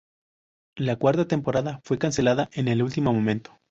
La cuarta temporada fue cancelada en el último momento.